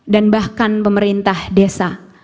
dan bahkan pemerintah desa